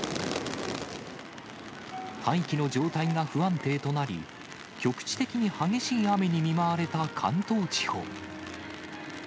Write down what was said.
大気の状態が不安定となり、局地的に激しい雨に見舞われた関東地方。